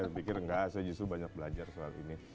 bikin enggak saya justru banyak belajar soal ini